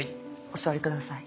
お座りください。